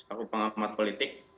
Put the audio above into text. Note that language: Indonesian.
aku pengamat politik